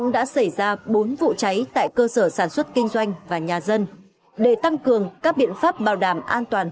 đã xảy ra bốn vụ cháy tại cơ sở sản xuất kinh doanh và nhà dân để tăng cường các biện pháp bảo đảm an toàn